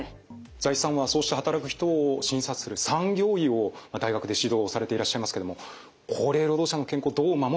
財津さんはそうした働く人を診察する産業医を大学で指導されていらっしゃいますけども高齢労働者の健康をどう守るか。